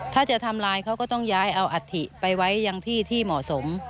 ถ้าจะทำลายเขาก็ต้องย้ายเอาอัฐิไปไว้อย่างที่ที่เหมาะสม